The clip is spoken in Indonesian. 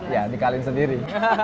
ya dikali sendiri